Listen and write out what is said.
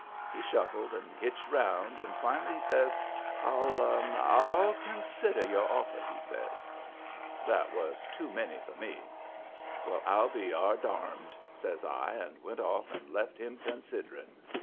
He shuffled and hitched around, and finally he says: "I'll Ill consider your offer," he says. That was too many for me. "Well, I'll be yardarmed!" says I, and went off and left him "considering."